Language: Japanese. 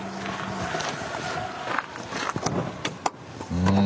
うん。